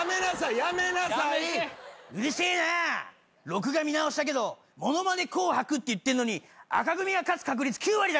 録画見直したけど『ものまね紅白』って言ってんのに紅組が勝つ確率９割だかんな！